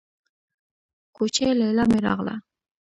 کوچۍ ليلا مې راغله.